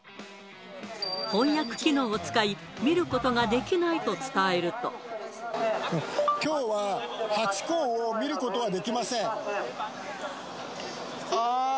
翻訳機能を使い、きょうはハチ公を見ることはできません。